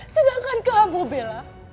sedangkan kamu bella